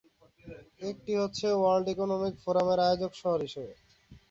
একটি হচ্ছে world economic ফোরামের আয়োজক শহর হিসেবে।